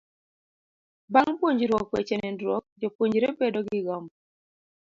bang' puonjruok weche nindruok, jopuonjre bedo gi gombo